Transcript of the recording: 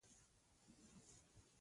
د همداسې ترخو خبرو لپاره مناسبه وه.